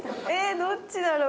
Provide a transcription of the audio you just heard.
どっちだろう？